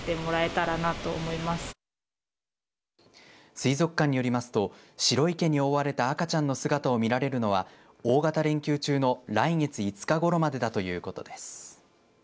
水族館によりますと白い毛に覆われた赤ちゃんの姿を見られるのは大型連休中の来月５日ごろまでだということです。